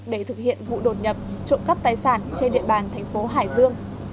để thực hiện vụ đột nhập trộm cắp tài sản trên địa bàn thành phố hải dương